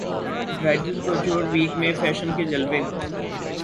bridal couture week میں fashion کے جلوے